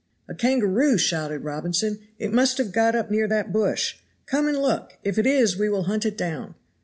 "A kangaroo!" shouted Robinson, "it must have got up near that bush; come and look if it is we will hunt it down."